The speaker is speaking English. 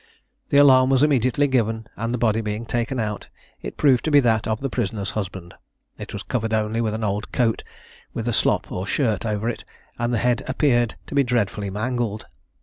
The alarm was immediately given, and the body being taken out, it proved to be that of the prisoner's husband. It was covered only with an old coat, with a slop or shirt over it, and the head appeared to be dreadfully mangled.